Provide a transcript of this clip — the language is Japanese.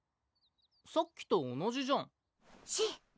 さっきと同じじゃんシッ！